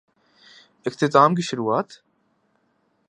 اختتام کی شروعات؟